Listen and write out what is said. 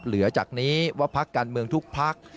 เหลือจากนี้ว่าพักการเมืองทุกพัก